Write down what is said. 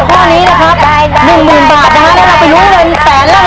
ทำได้หรือ